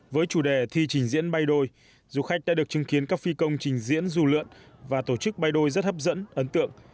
với chủ đề thi trình diễn bay đôi du khách đã được chứng kiến các phi công trình diễn dù lượn và tổ chức bay đôi rất hấp dẫn ấn tượng